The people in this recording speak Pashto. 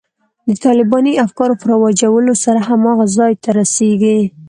د طالباني افکارو په رواجولو سره هماغه ځای ته رسېږي.